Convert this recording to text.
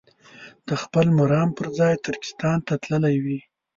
د خپل مرام پر ځای ترکستان ته تللي وي.